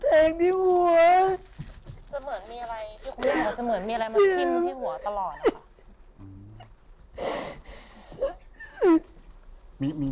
จะเหมือนมีอะไรที่คุณแม่ติ๋มที่หัวตลอดหรอ